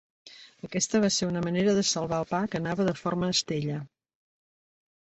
Aquesta va ser una manera de salvar el pa que anava de forma Estella.